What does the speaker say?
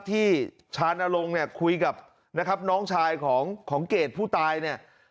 ที่ชานลงเนี่ยคุยกับนะครับน้องชายของเกรดผู้ตายเนี่ย